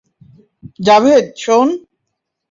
জাভেদ, শোন।